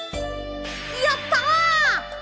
やった！